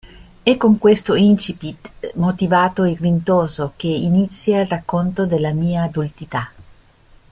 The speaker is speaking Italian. È con questo incipit motivato e grintoso che inizia il racconto della mia adultità.